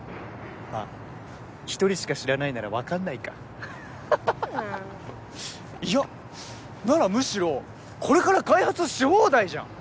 まぁ１人しか知らないなら分かんないかハハハハいやならむしろこれから開発し放題じゃん